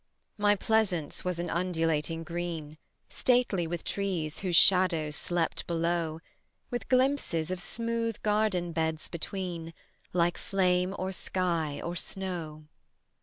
My pleasaunce was an undulating green, Stately with trees whose shadows slept below, With glimpses of smooth garden beds between, Like flame or sky or snow.